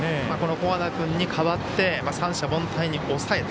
古和田君に代わって三者凡退に抑えた。